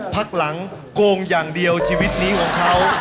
พักหลังโกงอย่างเดียวชีวิตนี้ของเขา